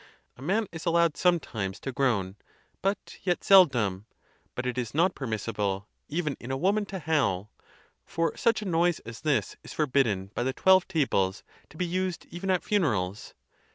A man is allowed sometimes to groan, but yet seldom; but it is not permissible even in a woman to howl; for such a noise as this is forbidden, by the twelve tables, to be used even at funerals.